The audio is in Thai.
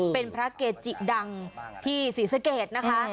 เป็นพระเกจิดังที่ศรีสะเกดนะคะ